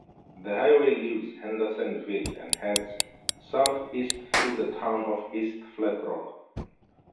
The highway leaves Hendersonville and heads southeast through the town of East Flat Rock.